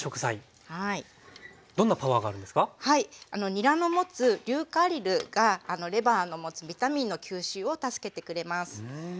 にらの持つ硫化アリルがレバーの持つビタミンの吸収を助けてくれます。